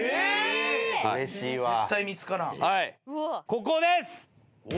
ここです！